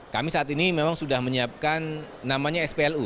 kami saat ini memang sudah menyiapkan namanya splu